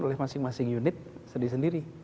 oleh masing masing unit sendiri sendiri